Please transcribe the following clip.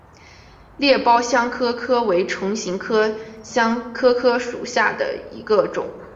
裂苞香科科为唇形科香科科属下的一个种。